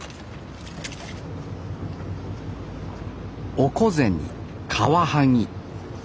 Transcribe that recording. オコゼにカワハギ。